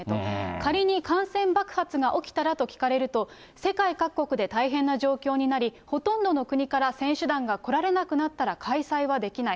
仮に感染爆発が起きたらと聞かれると、世界各国で大変な状況になり、ほとんどの国から選手団が来られなくなったら、開催はできない。